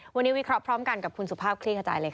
วันนี้วิเคราะห์พร้อมกันกับคุณสุภาพคลี่ขจายเลยค่ะ